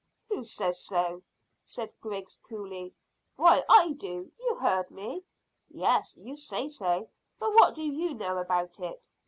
"Who says so?" said Griggs coolly. "Why, I do; you heard me." "Yes, you say so, but what do you know about it?